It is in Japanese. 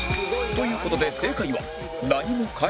という事で正解は